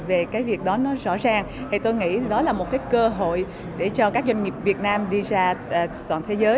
về cái việc đó nó rõ ràng thì tôi nghĩ đó là một cái cơ hội để cho các doanh nghiệp việt nam đi ra toàn thế giới